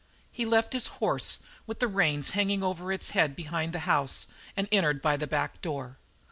He left his horse with the reins hanging over its head behind the house and entered by the back door.